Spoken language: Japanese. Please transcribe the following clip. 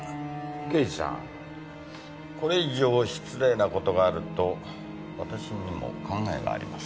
刑事さんこれ以上失礼な事があると私にも考えがあります。